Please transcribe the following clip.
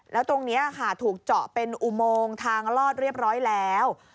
แล้วตรงนี้ค่ะถูกเจาะเป็นอุโมงทางลอดเรียบร้อยแล้ว